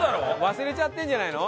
忘れちゃってるんじゃないの？